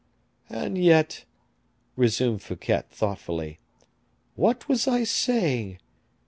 "And yet," resumed Fouquet, thoughtfully, "what was I saying?